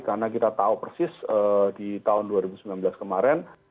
karena kita tahu persis di tahun dua ribu sembilan belas kemarin